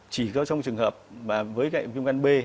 chỉ có trong trường hợp mà với gại viêm gan b